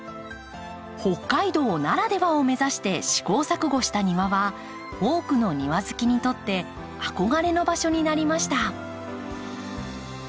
北海道ならではを目指して試行錯誤した庭は多くの庭好きにとって憧れの場所になりました。